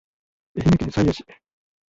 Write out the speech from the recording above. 愛媛県西予市